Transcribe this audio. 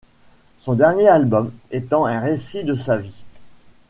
Son dernier album étant un récit de sa vie.